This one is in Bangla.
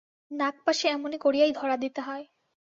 নাগপাশে এমনি করিয়াই ধরা দিতে হয়!